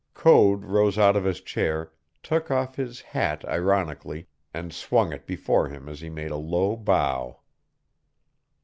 _" Code rose out of his chair, took off his hat ironically, and swung it before him as he made a low bow.